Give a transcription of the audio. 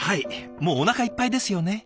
もうおなかいっぱいですよね。